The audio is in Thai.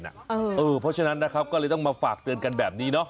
เพราะฉะนั้นนะครับก็เลยต้องมาฝากเตือนกันแบบนี้เนาะ